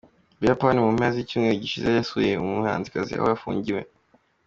Buyapani mu mpera zicyumweru gishize yasuye uyu muhanzikazi aho afungiwe.